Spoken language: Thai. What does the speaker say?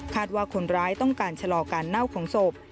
ว่าคนร้ายต้องการชะลอการเน่าของศพ